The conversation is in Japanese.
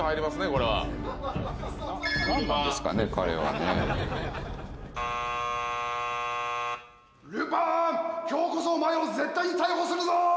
これはルパン今日こそお前を絶対逮捕するぞ！